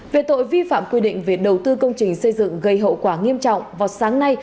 về tội vi phạm quy định về đầu tư công trình xây dựng gây hậu quả nghiêm trọng vào sáng nay